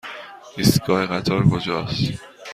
ایستگاه قطار کجاست؟